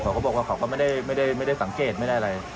เขาก็บอกว่าเขาก็ไม่ได้สังเกตไม่ได้อะไร